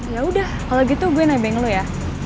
yaudah kalau gitu gue nebeng lo ya